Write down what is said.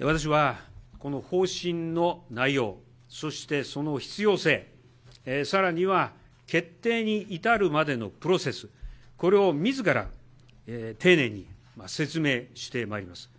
私はこの方針の内容、そしてその必要性、さらには決定に至るまでのプロセス、これをみずから丁寧に説明してまいります。